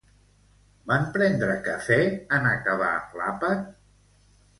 Van prendre cafè en acabar l'àpat?